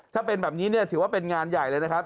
ถ้าเป็นแบบนี้เนี่ยถือว่าเป็นงานใหญ่เลยนะครับ